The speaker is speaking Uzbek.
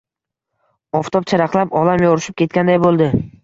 Oftob charaqlab, olam yorishib ketganday bo`ldi